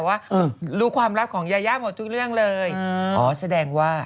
บางอย่าย้าหมดทุกเรื่องเลยอ๋อแสดงว่า